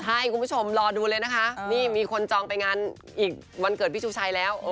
ให้คุณผู้ชมรอดูเลยนะคะนี่มีคนจองไปงานอีกวันเกิดพี่ชูชัยแล้ว